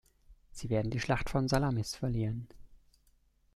Sie werden die Schlacht von Salamis verlieren.